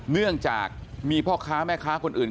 เนื่องจากมีพ่อค้าแม่ค้าคนอื่น